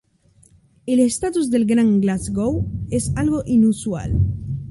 El estatus del Gran Glasgow es algo inusual.